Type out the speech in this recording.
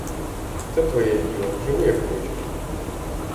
Це твоє діло, живи, як хочеш.